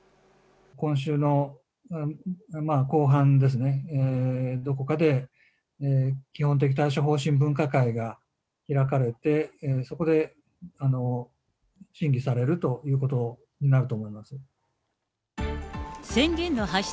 今週の後半ですね、どこかで基本的対処方針分科会が開かれて、そこで審議されるとい宣言の発出